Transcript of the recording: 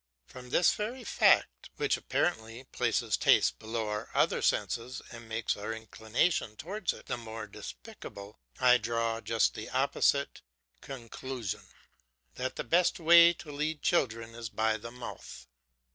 From this very fact, which apparently places taste below our other senses and makes our inclination towards it the more despicable, I draw just the opposite conclusion that the best way to lead children is by the mouth.